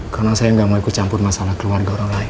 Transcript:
karena saya nggak mau ikut campur masalah keluarga orang lain